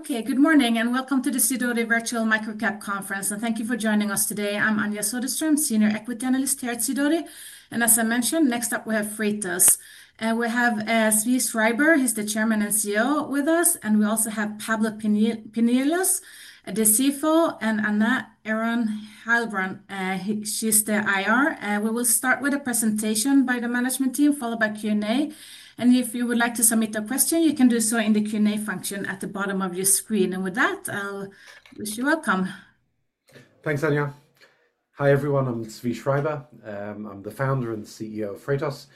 Okay, good morning and welcome to the CIDODE Virtual Microcap Conference, and thank you for joining us today. I'm Ania Soderstrom, Senior Equity Analyst here at CIDODE, and as I mentioned, next up we have Freightos. We have Zvi Schreiber, he's the Chairman and CEO with us, and we also have Pablo Pinillos, CFO, and Anat Earon-Heilborn. She's the IR, and we will start with a presentation by the management team, followed by Q&A, and if you would like to submit a question, you can do so in the Q&A function at the bottom of your screen. With that, I'll wish you welcome. Thanks, Ania. Hi everyone, I'm Zvi Schreiber, I'm the founder and CEO of Freightos.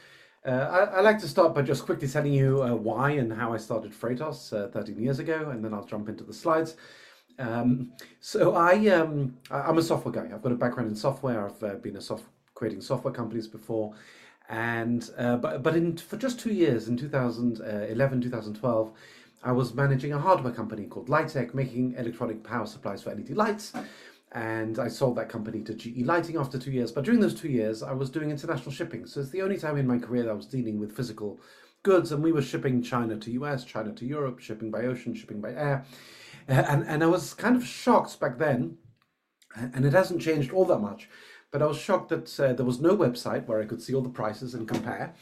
I'd like to start by just quickly telling you why and how I started Freightos 13 years ago, and then I'll jump into the slides. I'm a software guy, I've got a background in software, I've been creating software companies before, but for just two years, in 2011-2012, I was managing a hardware company called Lightech, making electronic power supplies for LED lights, and I sold that company to GE Lighting after two years. During those two years, I was doing international shipping, so it's the only time in my career I was dealing with physical goods, and we were shipping China to US, China to Europe, shipping by ocean, shipping by air. I was kind of shocked back then, and it hasn't changed all that much, but I was shocked that there was no website where I could see all the prices and compare.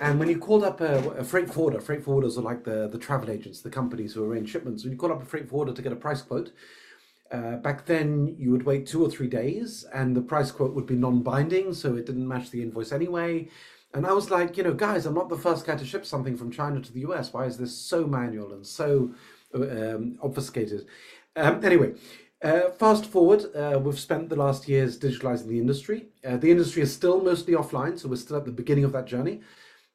When you called up a freight forwarder—freight forwarders are like the travel agents, the companies who arrange shipments—when you call up a freight forwarder to get a price quote, back then you would wait two or three days, and the price quote would be non-binding, so it didn't match the invoice anyway. I was like, you know, guys, I'm not the first guy to ship something from China to the U.S., why is this so manual and so obfuscated? Anyway, fast forward, we've spent the last years digitalizing the industry. The industry is still mostly offline, so we're still at the beginning of that journey,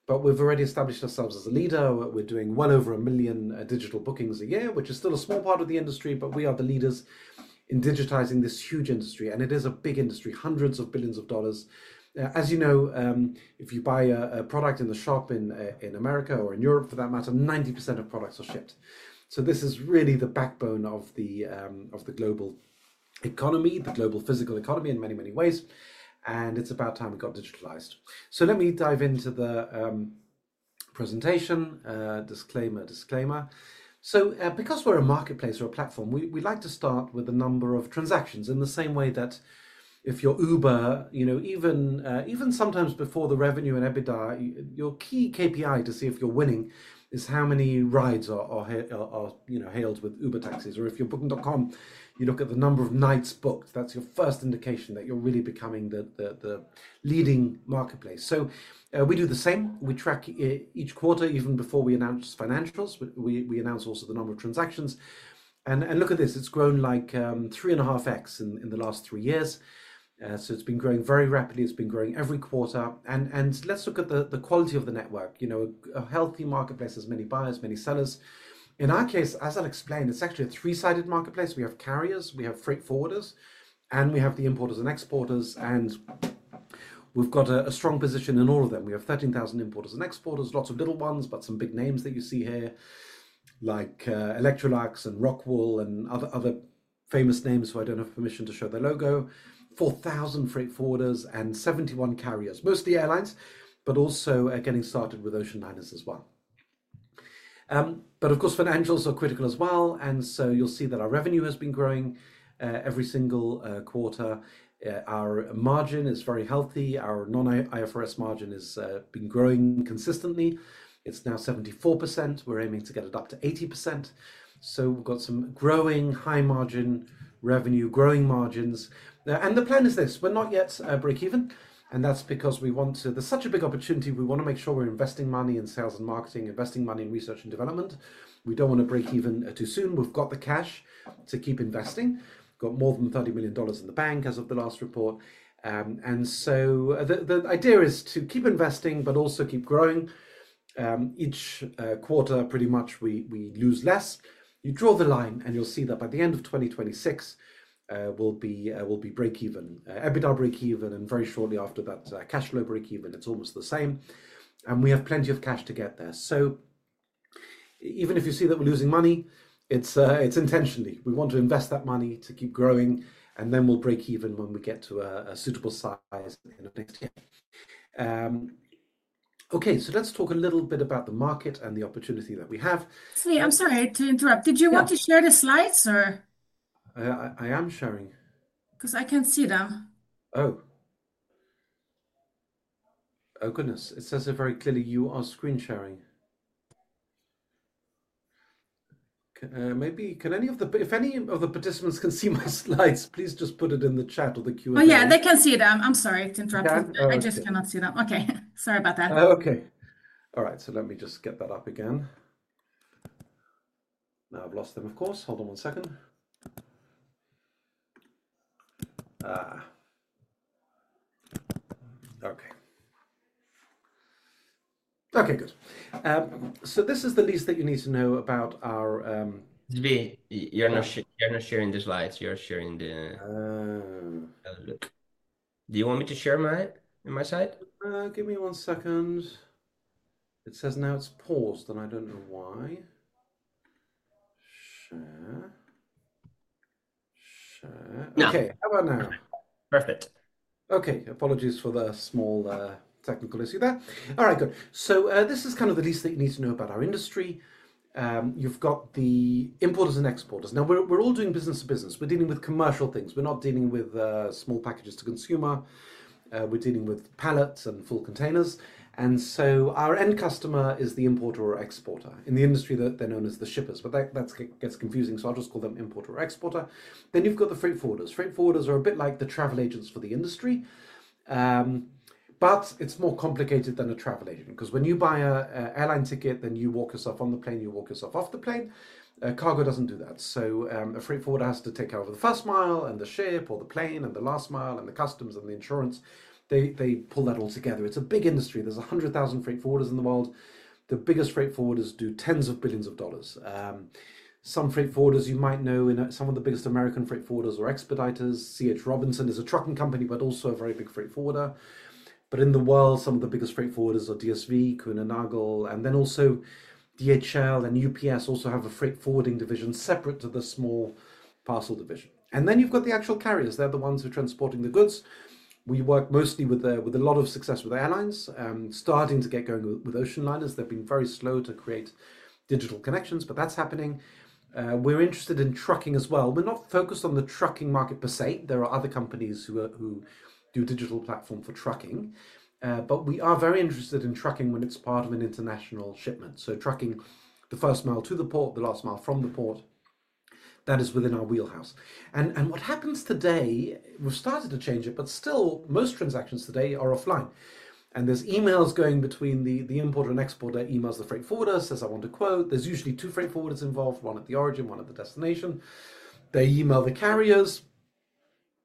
but we've already established ourselves as a leader. We're doing well over a million digital bookings a year, which is still a small part of the industry, but we are the leaders in digitizing this huge industry, and it is a big industry, hundreds of billions of dollars. As you know, if you buy a product in the shop in America or in Europe, for that matter, 90% of products are shipped. This is really the backbone of the global economy, the global physical economy in many, many ways, and it's about time we got digitalized. Let me dive into the presentation, disclaimer, disclaimer. Because we're a marketplace or a platform, we like to start with the number of transactions, in the same way that if you're Uber, you know, even sometimes before the revenue and EBITDA, your key KPI to see if you're winning is how many rides are hailed with Uber taxis, or if you're Booking.com, you look at the number of nights booked, that's your first indication that you're really becoming the leading marketplace. We do the same, we track each quarter, even before we announce financials, we announce also the number of transactions, and look at this, it's grown like three and a half X in the last three years, so it's been growing very rapidly, it's been growing every quarter, and let's look at the quality of the network, you know, a healthy marketplace, there's many buyers, many sellers. In our case, as I'll explain, it's actually a three-sided marketplace. We have carriers, we have freight forwarders, and we have the importers and exporters, and we've got a strong position in all of them. We have 13,000 importers and exporters, lots of little ones, but some big names that you see here, like Electrolux and Rockwool and other famous names who I don't have permission to show their logo, 4,000 freight forwarders, and 71 carriers, mostly airlines, but also getting started with ocean liners as well. Of course, financials are critical as well, and you'll see that our revenue has been growing every single quarter, our margin is very healthy, our non-IFRS margin has been growing consistently, it's now 74%, we're aiming to get it up to 80%, so we've got some growing high margin revenue, growing margins, and the plan is this, we're not yet break even, and that's because we want to, there's such a big opportunity, we want to make sure we're investing money in sales and marketing, investing money in research and development, we don't want to break even too soon, we've got the cash to keep investing, we've got more than $30 million in the bank as of the last report, and so the idea is to keep investing but also keep growing, each quarter pretty much we lose less, you draw the line and you'll see that by the end of 2026 we'll be break even, EBITDA break even, and very shortly after that cash flow break even, it's almost the same, and we have plenty of cash to get there. Even if you see that we're losing money, it's intentionally, we want to invest that money to keep growing, and then we'll break even when we get to a suitable size in the next year. Okay, let's talk a little bit about the market and the opportunity that we have. Zvi, I'm sorry to interrupt, did you want to share the slides or? I am sharing. Because I can't see them. Oh goodness, it says it very clearly, you are screen sharing. Maybe, if any of the participants can see my slides, please just put it in the chat or the Q&A. Oh yeah, they can see them. I'm sorry to interrupt, I just cannot see them. Okay, sorry about that. Okay, all right, let me just get that up again. Now I've lost them, of course, hold on one second. Okay. Okay, good. This is the least that you need to know about our. Zvi, you're not sharing the slides, you're sharing the. Do you want me to share my slide? Give me one second. It says now it's paused, and I don't know why. Share. Share. Okay, how about now? Perfect. Okay, apologies for the small technical issue there. All right, good. This is kind of the least that you need to know about our industry. You've got the importers and exporters. Now we're all doing business to business, we're dealing with commercial things, we're not dealing with small packages to consumer, we're dealing with pallets and full containers, and our end customer is the importer or exporter. In the industry, they're known as the shippers, but that gets confusing, so I'll just call them importer or exporter. You've got the freight forwarders. Freight forwarders are a bit like the travel agents for the industry, but it's more complicated than a travel agent, because when you buy an airline ticket, you walk yourself on the plane, you walk yourself off the plane. Cargo doesn't do that, so a freight forwarder has to take care of the first mile and the ship or the plane and the last mile and the customs and the insurance, they pull that all together. It's a big industry, there's 100,000 freight forwarders in the world, the biggest freight forwarders do tens of billions of dollars. Some freight forwarders you might know, some of the biggest American freight forwarders are Expediters, CH Robinson is a trucking company but also a very big freight forwarder, but in the world, some of the biggest freight forwarders are DSV, Kuehne+Nagel, and then also DHL and UPS also have a freight forwarding division separate to the small parcel division. Then you've got the actual carriers, they're the ones who are transporting the goods. We work mostly with a lot of success with airlines, starting to get going with ocean liners. They've been very slow to create digital connections, but that's happening. We're interested in trucking as well. We're not focused on the trucking market per se, there are other companies who do a digital platform for trucking, but we are very interested in trucking when it's part of an international shipment, so trucking the first mile to the port, the last mile from the port, that is within our wheelhouse. What happens today, we've started to change it, but still, most transactions today are offline, and there's emails going between the importer and exporter, emails the freight forwarder says, "I want a quote," there's usually two freight forwarders involved, one at the origin, one at the destination, they email the carriers,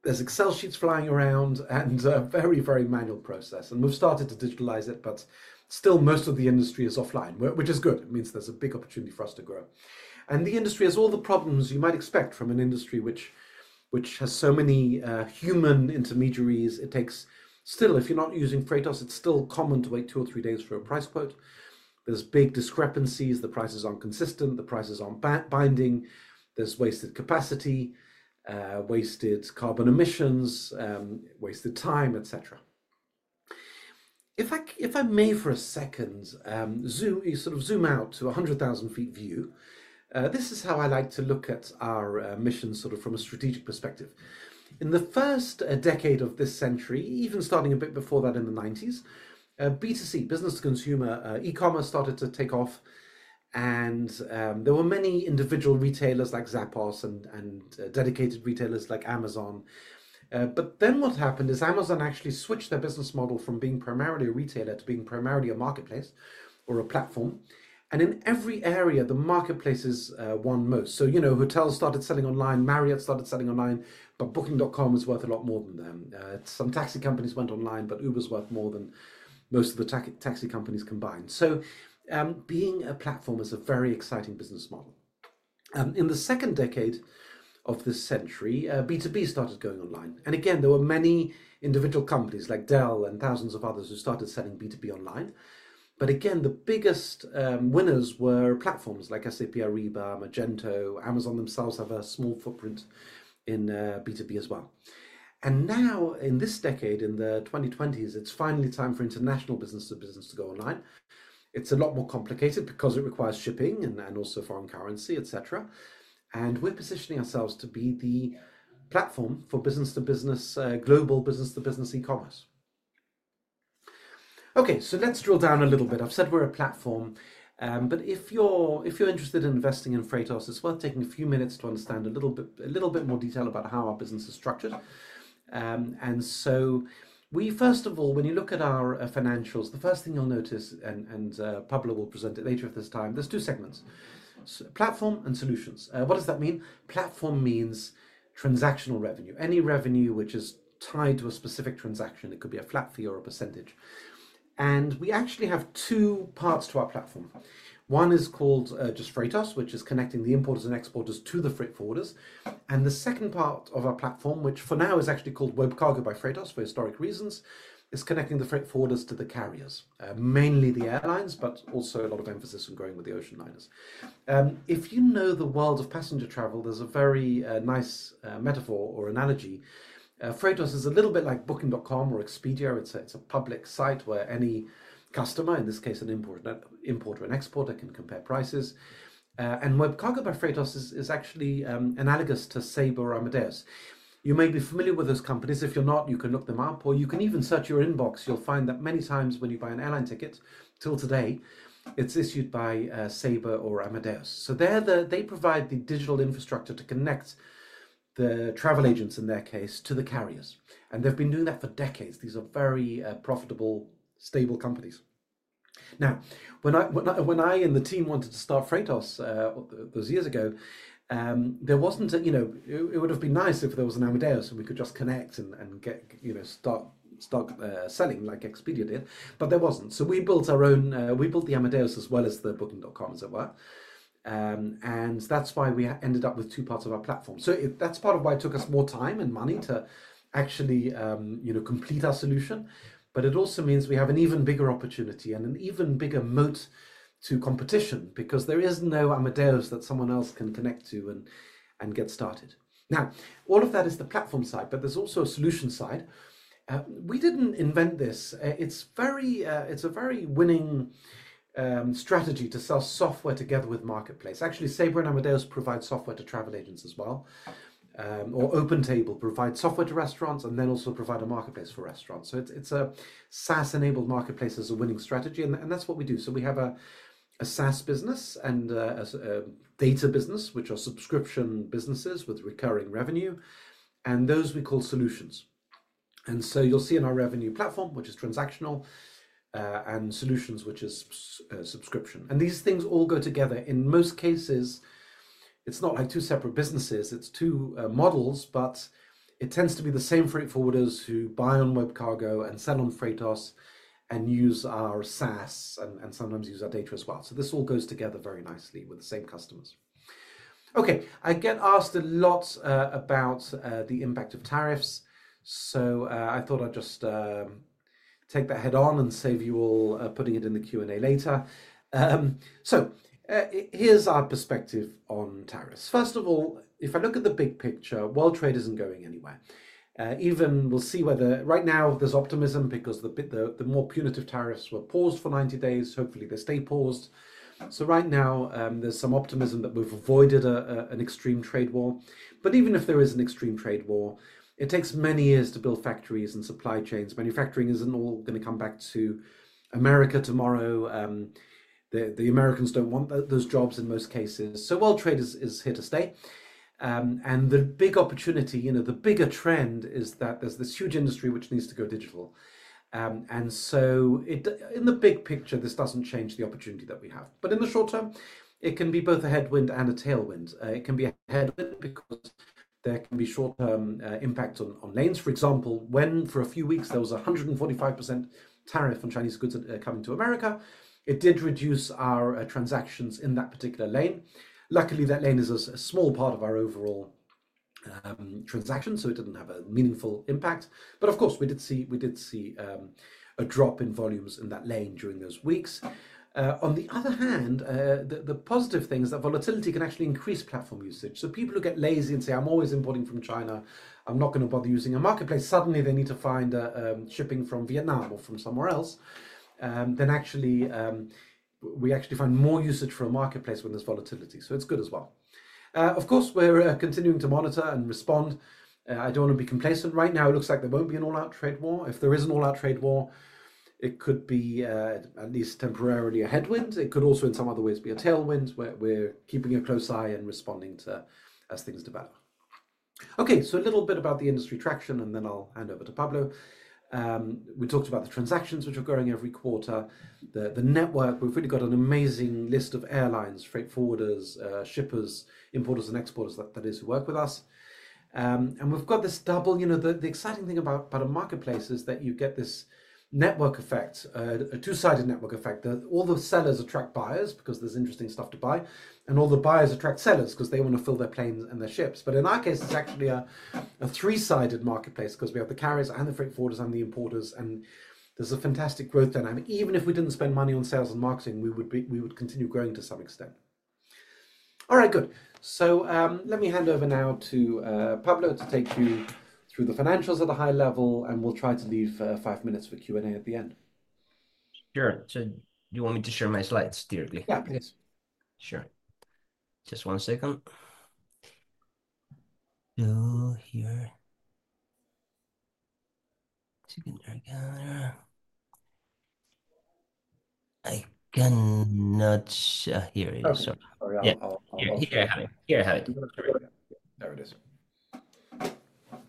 there's Excel sheets flying around, and a very, very manual process, and we've started to digitalize it, but still most of the industry is offline, which is good, it means there's a big opportunity for us to grow. The industry has all the problems you might expect from an industry which has so many human intermediaries, it takes, still, if you're not using Freightos, it's still common to wait two or three days for a price quote, there's big discrepancies, the prices aren't consistent, the prices aren't binding, there's wasted capacity, wasted carbon emissions, wasted time, etc. If I may for a second, sort of zoom out to a 100,000 feet view, this is how I like to look at our mission sort of from a strategic perspective. In the first decade of this century, even starting a bit before that in the 1990s, B2C, business to consumer, e-commerce started to take off, and there were many individual retailers like Zappos and dedicated retailers like Amazon, but then what happened is Amazon actually switched their business model from being primarily a retailer to being primarily a marketplace or a platform, and in every area, the marketplaces won most, so you know, hotels started selling online, Marriott started selling online, but Booking.com is worth a lot more than them, some taxi companies went online, but Uber's worth more than most of the taxi companies combined, so being a platform is a very exciting business model. In the second decade of this century, B2B started going online, and again, there were many individual companies like Dell and thousands of others who started selling B2B online, but again, the biggest winners were platforms like SAP Ariba, Magento, Amazon themselves have a small footprint in B2B as well. Now, in this decade, in the 2020s, it's finally time for international business to business to go online, it's a lot more complicated because it requires shipping and also foreign currency, etc., and we're positioning ourselves to be the platform for business to business, global business to business e-commerce. Okay, so let's drill down a little bit, I've said we're a platform, but if you're interested in investing in Freightos, it's worth taking a few minutes to understand a little bit more detail about how our business is structured, and so we, first of all, when you look at our financials, the first thing you'll notice, and Pablo will present it later at this time, there's two segments, platform and solutions. What does that mean? Platform means transactional revenue, any revenue which is tied to a specific transaction, it could be a flat fee or a percentage, and we actually have two parts to our platform. One is called just Freightos, which is connecting the importers and exporters to the freight forwarders, and the second part of our platform, which for now is actually called WebCargo by Freightos for historic reasons, is connecting the freight forwarders to the carriers, mainly the airlines, but also a lot of emphasis on going with the ocean liners. If you know the world of passenger travel, there's a very nice metaphor or analogy, Freightos is a little bit like Booking.com or Expedia, it's a public site where any customer, in this case an importer and exporter, can compare prices, and WebCargo by Freightos is actually analogous to Sabre or Amadeus, you may be familiar with those companies, if you're not, you can look them up, or you can even search your inbox, you'll find that many times when you buy an airline ticket, till today, it's issued by Sabre or Amadeus, so they provide the digital infrastructure to connect the travel agents, in their case, to the carriers, and they've been doing that for decades, these are very profitable, stable companies. Now, when I and the team wanted to start Freightos those years ago, there wasn't, you know, it would have been nice if there was an Amadeus and we could just connect and start selling like Expedia did, but there wasn't, so we built our own, we built the Amadeus as well as the Booking.com as it were, and that's why we ended up with two parts of our platform, so that's part of why it took us more time and money to actually complete our solution, but it also means we have an even bigger opportunity and an even bigger moat to competition, because there is no Amadeus that someone else can connect to and get started. Now, all of that is the platform side, but there's also a solution side, we didn't invent this, it's a very winning strategy to sell software together with marketplace, actually Sabre and Amadeus provide software to travel agents as well, or OpenTable provides software to restaurants and then also provide a marketplace for restaurants, so it's a SaaS-enabled marketplace as a winning strategy, and that's what we do, so we have a SaaS business and a data business, which are subscription businesses with recurring revenue, and those we call solutions, and so you'll see in our revenue platform, which is transactional, and solutions, which is subscription, and these things all go together, in most cases, it's not like two separate businesses, it's two models, but it tends to be the same freight forwarders who buy on WebCargo and sell on Freightos and use our SaaS and sometimes use our data as well, so this all goes together very nicely with the same customers. Okay, I get asked a lot about the impact of tariffs, so I thought I'd just take that head on and save you all putting it in the Q&A later, so here's our perspective on tariffs. First of all, if I look at the big picture, world trade isn't going anywhere, even we'll see whether, right now there's optimism because the more punitive tariffs were paused for 90 days, hopefully they stay paused, so right now there's some optimism that we've avoided an extreme trade war. Even if there is an extreme trade war, it takes many years to build factories and supply chains, manufacturing isn't all going to come back to America tomorrow, the Americans don't want those jobs in most cases, so world trade is here to stay, and the big opportunity, you know, the bigger trend is that there's this huge industry which needs to go digital, and in the big picture this doesn't change the opportunity that we have. In the short term it can be both a headwind and a tailwind. It can be a headwind because there can be short-term impacts on lanes, for example, when for a few weeks there was a 145% tariff on Chinese goods coming to America, it did reduce our transactions in that particular lane. Luckily that lane is a small part of our overall transaction, so it didn't have a meaningful impact, but of course we did see a drop in volumes in that lane during those weeks. On the other hand, the positive thing is that volatility can actually increase platform usage, so people who get lazy and say, "I'm always importing from China, I'm not going to bother using a marketplace," suddenly they need to find shipping from Vietnam or from somewhere else, then actually we actually find more usage for a marketplace when there's volatility, so it's good as well. Of course, we're continuing to monitor and respond, I don't want to be complacent right now, it looks like there won't be an all-out trade war. If there is an all-out trade war, it could be at least temporarily a headwind, it could also in some other ways be a tailwind. We're keeping a close eye and responding to as things develop. Okay, so a little bit about the industry traction and then I'll hand over to Pablo, we talked about the transactions which are going every quarter, the network, we've really got an amazing list of airlines, freight forwarders, shippers, importers and exporters, that is, who work with us, and we've got this double, you know, the exciting thing about a marketplace is that you get this network effect, a two-sided network effect, that all the sellers attract buyers because there's interesting stuff to buy, and all the buyers attract sellers because they want to fill their planes and their ships, but in our case it's actually a three-sided marketplace because we have the carriers and the freight forwarders and the importers, and there's a fantastic growth dynamic, even if we didn't spend money on sales and marketing, we would continue growing to some extent. All right, good, so let me hand over now to Pablo to take you through the financials at a high level, and we'll try to leave five minutes for Q&A at the end. Sure, so do you want me to share my slides, dear Glee? Yeah, please. Sure, just one second. No, here. I cannot share. Here it is, sorry. Yeah, here I have it, here I have it. There it is.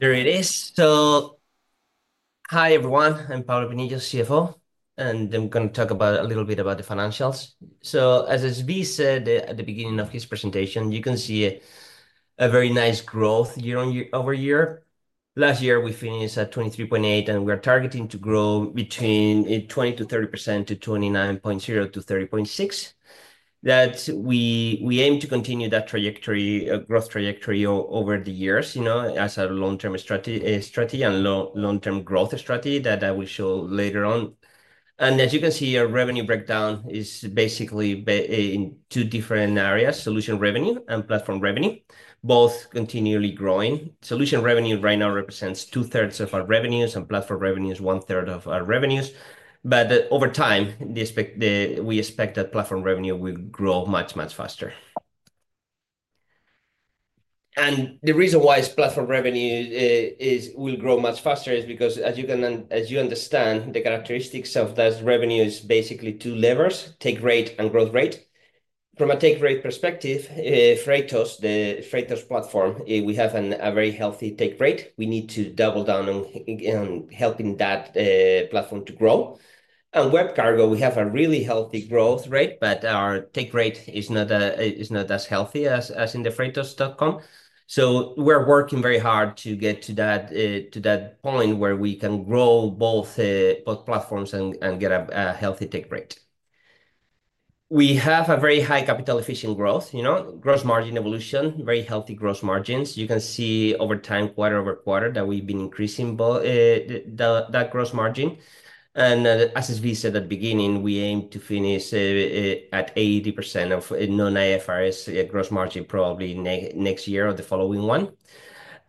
There it is, so hi everyone, I'm Pablo Pinillos, CFO, and I'm going to talk a little bit about the financials. As Zvi said at the beginning of his presentation, you can see a very nice growth year over year. Last year we finished at 23.8%, and we are targeting to grow between 20%-30% to 29.0%-30.6%, that we aim to continue that trajectory, growth trajectory over the years, you know, as a long-term strategy and long-term growth strategy that I will show later on. As you can see, our revenue breakdown is basically in two different areas, solution revenue and platform revenue, both continually growing. Solution revenue right now represents two-thirds of our revenues, and platform revenue is one-third of our revenues, but over time, we expect that platform revenue will grow much, much faster. The reason why platform revenue will grow much faster is because, as you understand, the characteristics of that revenue is basically two levers, take rate and growth rate. From a take rate perspective, Freightos, the Freightos platform, we have a very healthy take rate. We need to double down on helping that platform to grow, and WebCargo, we have a really healthy growth rate, but our take rate is not as healthy as in the freightos.com, so we're working very hard to get to that point where we can grow both platforms and get a healthy take rate. We have a very high capital efficient growth, you know, gross margin evolution, very healthy gross margins, you can see over time, quarter over quarter, that we've been increasing that gross margin, and as Zvi said at the beginning, we aim to finish at 80% of non-IFRS gross margin probably next year or the following one,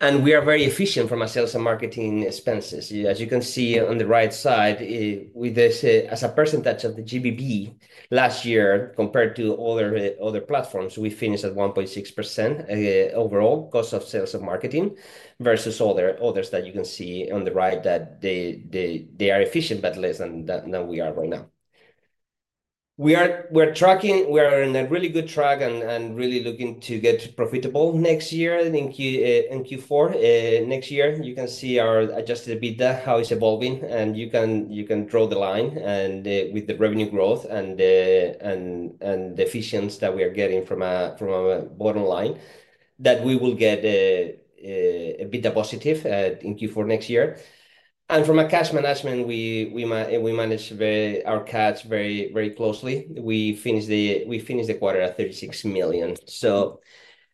and we are very efficient from our sales and marketing expenses, as you can see on the right side, as a percentage of the GBV last year, compared to other platforms, we finished at 1.6% overall, cost of sales and marketing, versus others that you can see on the right that they are efficient but less than we are right now. We are tracking, we are in a really good track and really looking to get profitable next year, in Q4 next year. You can see our adjusted EBITDA, how it's evolving, and you can draw the line with the revenue growth and the efficiency that we are getting from a bottom line, that we will get a bit positive in Q4 next year. From a cash management, we manage our cash very closely, we finished the quarter at $36 million.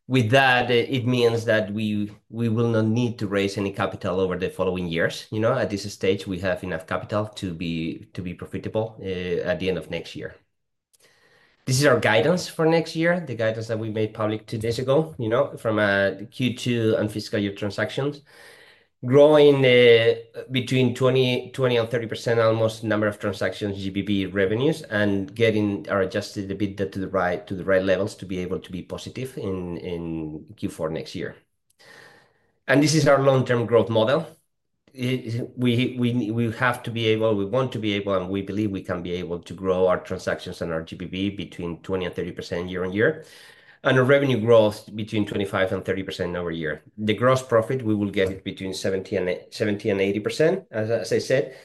With that, it means that we will not need to raise any capital over the following years, you know, at this stage we have enough capital to be profitable at the end of next year. This is our guidance for next year, the guidance that we made public two days ago, you know, from Q2 and fiscal year transactions, growing between 20%-30% almost number of transactions, GBV, revenues, and getting our adjusted EBITDA to the right levels to be able to be positive in Q4 next year. This is our long-term growth model. We have to be able, we want to be able, and we believe we can be able to grow our transactions and our GBV between 20%-30% year on year, and our revenue growth between 25%-30% over year. The gross profit we will get between 70%-80%, as I said,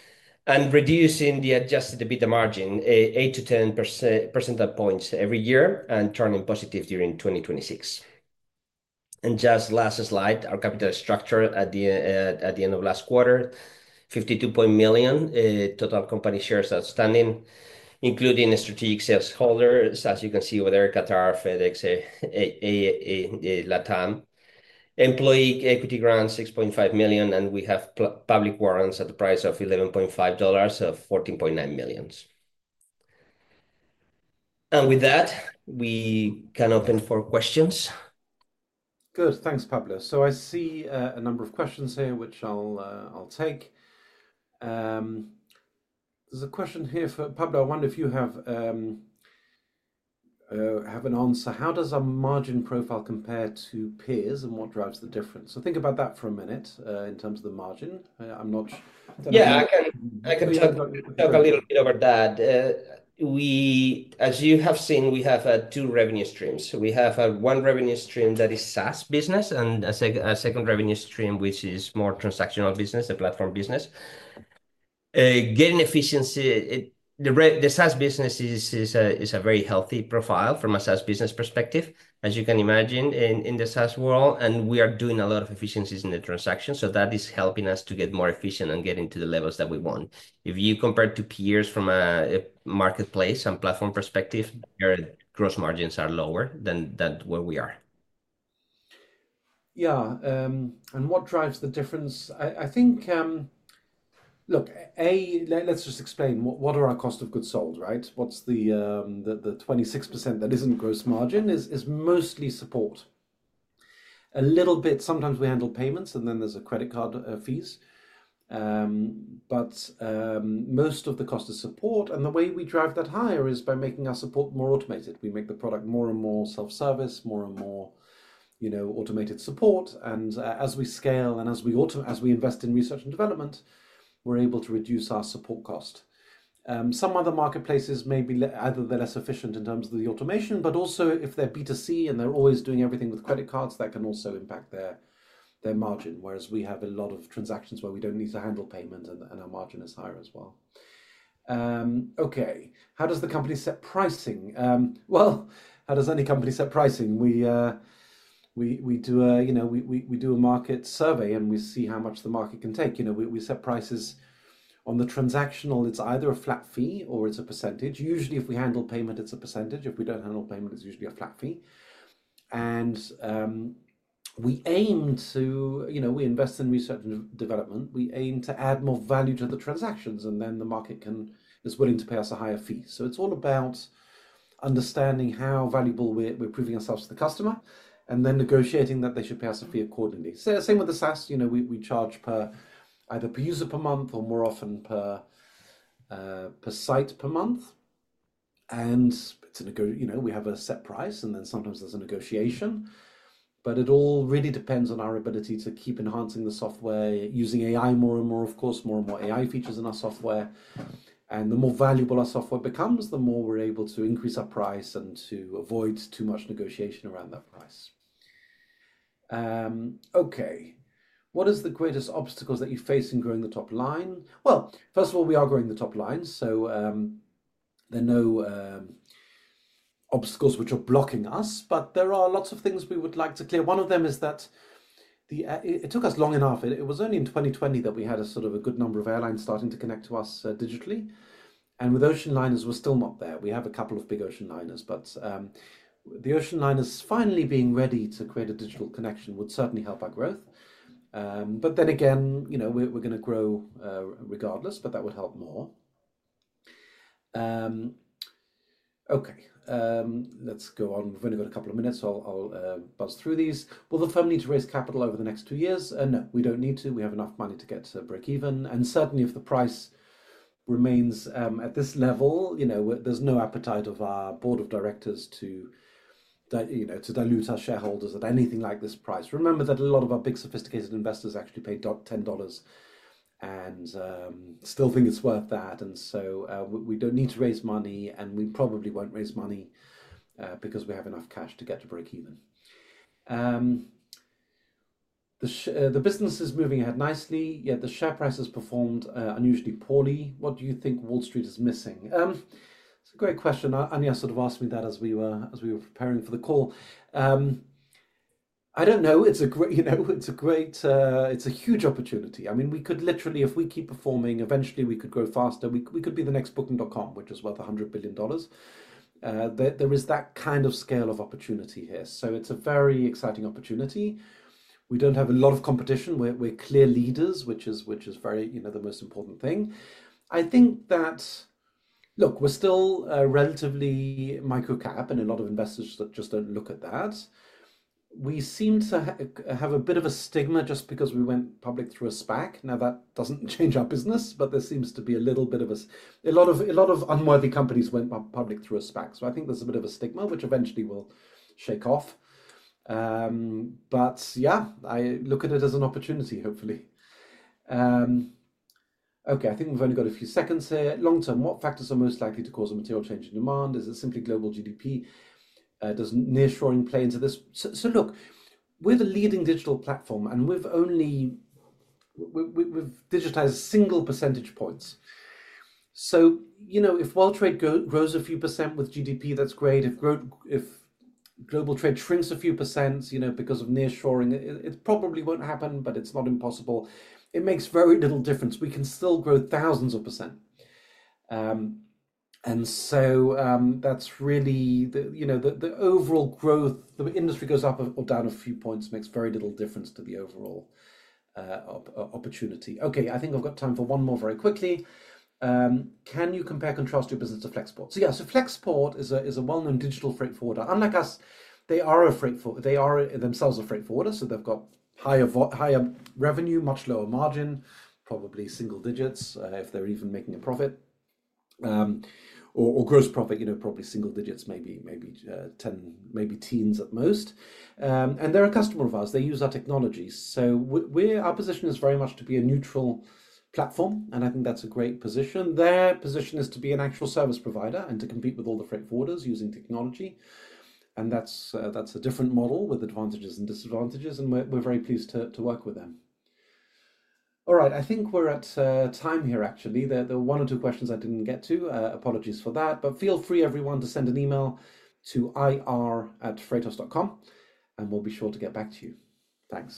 and reducing the adjusted EBITDA margin 8%-10% points every year, and turning positive during 2026. Just last slide, our capital structure at the end of last quarter, 52.1 million total company shares outstanding, including strategic sales holders, as you can see over there, Qatar, FedEx, LATAM, employee equity grant 6.5 million, and we have public warrants at the price of $11.5 of 14.9 million, and with that, we can open for questions. Good, thanks Pablo, so I see a number of questions here which I'll take. There's a question here for Pablo, I wonder if you have an answer, how does our margin profile compare to peers and what drives the difference? So think about that for a minute in terms of the margin, I'm not. Yeah, I can talk a little bit about that. As you have seen, we have two revenue streams. We have one revenue stream that is SaaS business, and a second revenue stream which is more transactional business, a platform business, getting efficiency. The SaaS business is a very healthy profile from a SaaS business perspective, as you can imagine in the SaaS world, and we are doing a lot of efficiencies in the transactions, so that is helping us to get more efficient and get into the levels that we want. If you compare to peers from a marketplace and platform perspective, their gross margins are lower than where we are. Yeah, and what drives the difference, I think, look, let's just explain, what are our cost of goods sold, right, what's the 26% that isn't gross margin, is mostly support, a little bit sometimes we handle payments and then there's credit card fees, but most of the cost is support, and the way we drive that higher is by making our support more automated, we make the product more and more self-service, more and more, you know, automated support, and as we scale and as we invest in research and development, we're able to reduce our support cost, some other marketplaces may be either they're less efficient in terms of the automation, but also if they're B2C and they're always doing everything with credit cards, that can also impact their margin, whereas we have a lot of transactions where we don't need to handle payments and our margin is higher as well. Okay, how does the company set pricing, how does any company set pricing, we do, you know, we do a market survey and we see how much the market can take, you know, we set prices on the transactional, it's either a flat fee or it's a percentage, usually if we handle payment it's a percentage, if we don't handle payment it's usually a flat fee, and we aim to, you know, we invest in research and development, we aim to add more value to the transactions and then the market is willing to pay us a higher fee, so it's all about understanding how valuable we're proving ourselves to the customer, and then negotiating that they should pay us a fee accordingly. Same with the SaaS, you know, we charge per either per user per month or more often per site per month, and it's a negotiation, you know, we have a set price and then sometimes there's a negotiation, but it all really depends on our ability to keep enhancing the software, using AI more and more of course, more and more AI features in our software, and the more valuable our software becomes, the more we're able to increase our price and to avoid too much negotiation around that price. Okay, what is the greatest obstacles that you face in growing the top line, first of all we are growing the top line, so there are no obstacles which are blocking us, but there are lots of things we would like to clear, one of them is that it took us long enough, it was only in 2020 that we had a sort of a good number of airlines starting to connect to us digitally, and with ocean liners we're still not there, we have a couple of big ocean liners, but the ocean liners finally being ready to create a digital connection would certainly help our growth, but then again, you know, we're going to grow regardless, but that would help more. Okay, let's go on, we've only got a couple of minutes, I'll buzz through these, will the firm need to raise capital over the next two years, no, we don't need to, we have enough money to get to break even, and certainly if the price remains at this level, you know, there's no appetite of our board of directors to, you know, to dilute our shareholders at anything like this price, remember that a lot of our big sophisticated investors actually paid $10 and still think it's worth that, and so we don't need to raise money and we probably won't raise money because we have enough cash to get to break even, the business is moving ahead nicely. Yeah, the share price has performed unusually poorly, what do you think Wall Street is missing, it's a great question, Ania sort of asked me that as we were preparing for the call, I don't know, it's a great, you know, it's a great, it's a huge opportunity, I mean we could literally, if we keep performing, eventually we could grow faster, we could be the next Booking.com, which is worth $100 billion, there is that kind of scale of opportunity here, so it's a very exciting opportunity, we don't have a lot of competition, we're clear leaders, which is very, you know, the most important thing, I think that, look, we're still relatively micro-cap and a lot of investors that just don't look at that, we seem to have a bit of a stigma just because we went public through a SPAC, now that doesn't change our business, but there seems to be a little bit of a, a lot of unworthy companies went public through a SPAC, so I think there's a bit of a stigma which eventually will shake off, but yeah, I look at it as an opportunity, hopefully. Okay, I think we've only got a few seconds here, long term, what factors are most likely to cause a material change in demand, is it simply global GDP, does nearshoring play into this, look, we're the leading digital platform and we've only, we've digitized single percentage points, so you know, if World Trade grows a few percent with GDP, that's great, if global trade shrinks a few percent, you know, because of nearshoring, it probably won't happen, but it's not impossible, it makes very little difference, we can still grow thousands of percent, and so that's really, you know, the overall growth, the industry goes up or down a few points, makes very little difference to the overall opportunity. Okay, I think I've got time for one more very quickly, can you compare and contrast your business to Flexport, so yeah, so Flexport is a well-known digital freight forwarder, unlike us, they are a freight forwarder, they are themselves a freight forwarder, so they've got higher revenue, much lower margin, probably single digits, if they're even making a profit, or gross profit, you know, probably single digits, maybe 10, maybe teens at most, and they're a customer of ours, they use our technology, so our position is very much to be a neutral platform, and I think that's a great position, their position is to be an actual service provider and to compete with all the freight forwarders using technology, and that's a different model with advantages and disadvantages, and we're very pleased to work with them. All right, I think we're at time here actually, there were one or two questions I didn't get to, apologies for that, but feel free everyone to send an email to ir@freightos.com, and we'll be sure to get back to you, thanks.